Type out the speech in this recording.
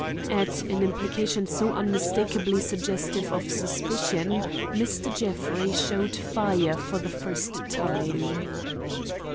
At an implication so unmistakably suggestive of suspicion Mr. Jeffrey showed fire for the first time.